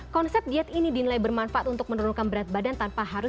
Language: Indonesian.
konsep diet ini dinilai bermanfaat untuk menurunkan berat badan tanpa harus